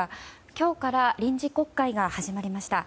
今日から臨時国会が始まりました。